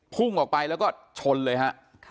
พุ่งออกไปแล้วก็ชนเลยฮะ